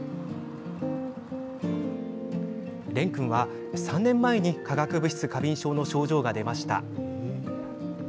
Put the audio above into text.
蓮君は３年前に化学物質過敏症の症状が出ました。